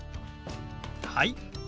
はい。